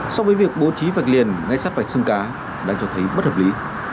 so với việc bố trí vạch liền ngay sát vạch sông cá đang cho thấy bất hợp lý